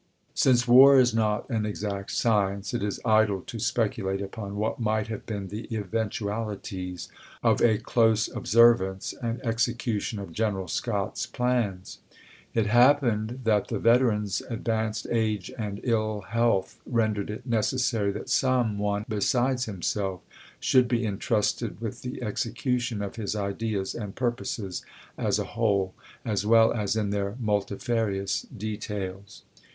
Since war is not an exact science, it is idle to speculate upon what might have been the eventu alities of a close observance and execution of Gren eral Scott's plans. It happened that the veteran's advanced age and iU health rendered it necessary that some one besides himself should be intrusted with the execution of his ideas and purposes as a whole, as well as in their multifarious details.